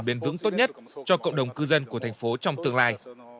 bền vững tốt nhất cho cộng đồng cư dân của thành phố trong tương lai